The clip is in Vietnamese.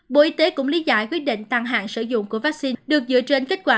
bộ y tế cũng lý giải quyết định tăng hạn sử dụng của vắc xin được dựa trên kết quả